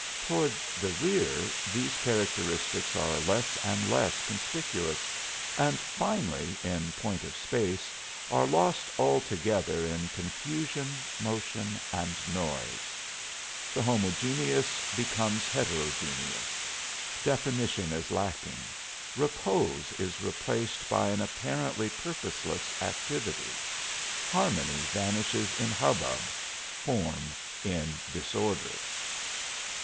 Toward the rear these characteristics are less and less conspicuous, and finally, in point of space, are lost altogether in confusion, motion and noise. The homogeneous becomes heterogeneous. Definition is lacking; repose is replaced by an apparently purposeless activity; harmony vanishes in hubbub, form in disorder.